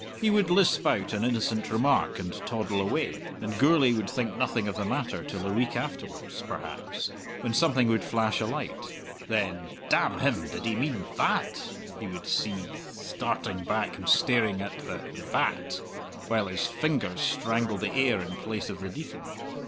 He would lisp out an innocent remark and toddle away, and Gourlay would think nothing of the matter till a week afterwards, perhaps, when something would flash a light; then "Damn him, did he mean 'that'?" he would seethe, starting back and staring at the "that" while his fingers strangled the air in place of the Deacon.